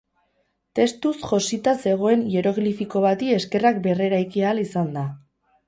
Testuz josita zegoen hieroglifo bati eskerrak berreraiki ahal izan da